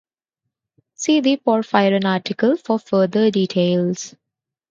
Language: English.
See the Porphyrin article for further details.